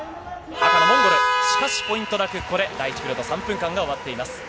赤のモンゴル、しかし、ポイントなく、第１ピリオド３分間が終わっています。